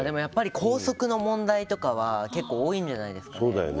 校則の問題とかは結構、多いんじゃないですかね。